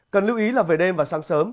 cần lưu ý là về đêm và sáng sớm